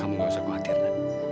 kamu gak usah khawatir lah